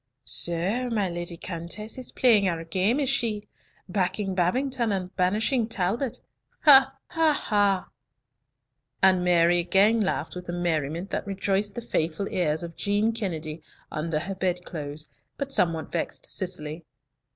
"So my Lady Countess is playing our game, is she! Backing Babington and banishing Talbot? Ha, ha," and Mary again laughed with a merriment that rejoiced the faithful ears of Jean Kennedy, under her bedclothes, but somewhat vexed Cicely.